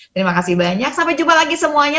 terima kasih banyak sampai jumpa lagi semuanya